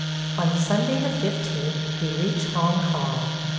. On Sunday, the 15th, we reach Hong Kong.